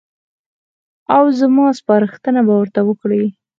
او زما سپارښتنه به ورته وکړي.